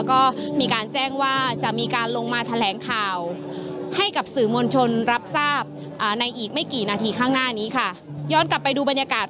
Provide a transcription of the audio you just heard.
กี่นาทีข้างหน้านี้ค่ะย้อนกลับไปดูบรรยากาศ